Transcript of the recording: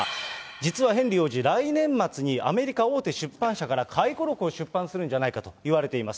実はヘンリー王子、来年末にアメリカ大手出版社から、回顧録を出版するんじゃないかといわれています。